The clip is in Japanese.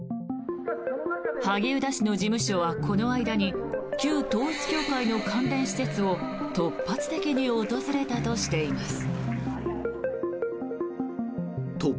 萩生田氏の事務所はこの間に旧統一教会の関連施設を突発的に訪れたとしています。